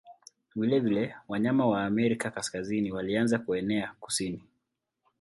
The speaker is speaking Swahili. Vilevile wanyama wa Amerika Kaskazini walianza kuenea kusini.